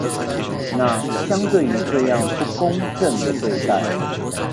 那相對於這樣不公正的對待